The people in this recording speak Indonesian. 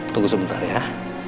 tunggu sebentar ya